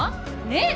ねえ？